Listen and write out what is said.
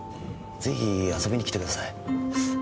ぜひ遊びに来てください。